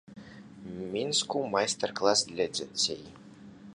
Мінску майстар-клас для дзяцей.